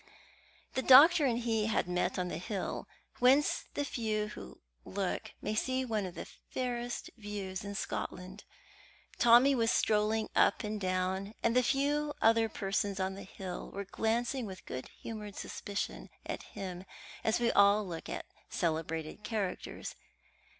The doctor and he had met on the hill, whence the few who look may see one of the fairest views in Scotland. Tommy was strolling up and down, and the few other persons on the hill were glancing with good humoured suspicion at him, as we all look at celebrated characters.